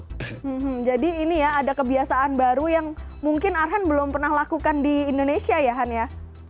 hmm jadi ini ya ada kebiasaan baru yang mungkin arhan belum pernah lakukan di indonesia ya han ya